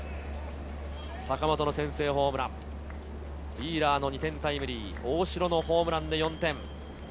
坂本の先制ホームラン、ウィーラーの２点タイムリー、大城のホームランの４点。